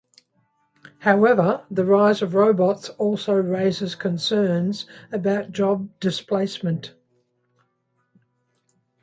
However, the rise of robots also raises concerns about job displacement.